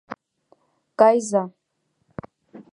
— Кайыза!